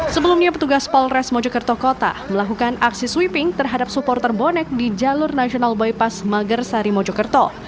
sebelumnya petugas polres mojokerto kota melakukan aksi sweeping terhadap supporter bonek di jalur nasional bypass magersari mojokerto